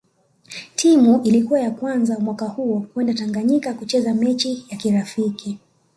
Timu Ilikuwa ya kwanza mwaka huo kwenda Tanganyika kucheza mechi ya kirafiki